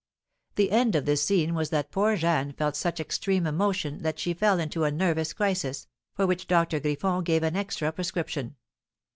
The end of this scene was that poor Jeanne felt such extreme emotion that she fell into a nervous crisis, for which Doctor Griffon gave an extra prescription.